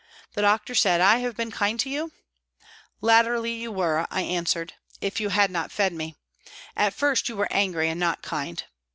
The doctor said, " I have been kind to you ?"" Latterly you were," I answered, " if you had not fed me. At first you were angry and not kind."